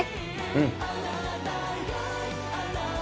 うん。